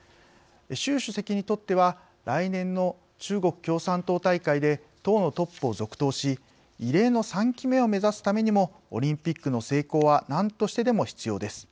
習主席にとっては来年の中国共産党大会で党のトップを続投し異例の３期目を目指すためにもオリンピックの成功は何としてでも必要です。